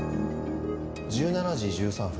１７時１３分